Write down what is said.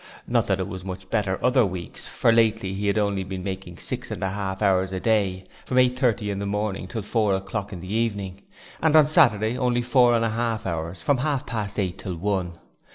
Not that it was much better other weeks, for lately he had only been making six and a half hours a day from eight thirty in the morning till four o'clock in the evening, and on Saturday only four and a half hours from half past eight till one.